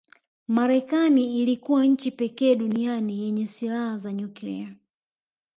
Marekani ilikuwa nchi pekee duniani yenye silaha za nyuklia